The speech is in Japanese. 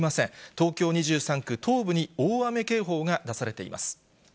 東京２３区東部に大雨警報が出されています。